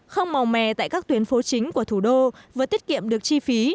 không màu mè tại các tuyến phố chính của thủ đô vừa tiết kiệm được chi phí